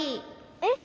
えっ？